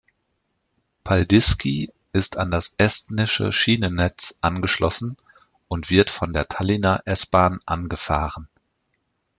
Paldiski ist an das estnische Schienennetz angeschlossen und wird von der Tallinner S-Bahn angefahren.